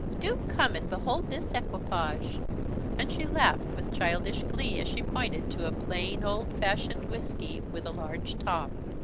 do come and behold this equipage;" and she laughed with childish glee as she pointed to a plain, old fashioned whisky, with a large top.